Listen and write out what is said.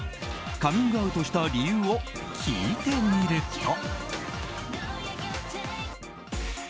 カミングアウトした理由を聞いてみると。